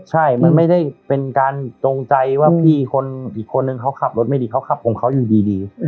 ใช่มันไม่ได้เป็นการจงใจว่าพี่คนอีกคนนึงเขาขับรถไม่ดีเขาขับของเขาอยู่ดี